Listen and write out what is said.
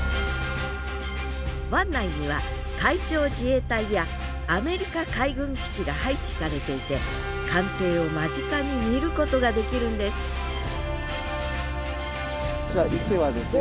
湾内には海上自衛隊やアメリカ海軍基地が配置されていて艦艇を間近に見ることができるんですこちらいせはですね。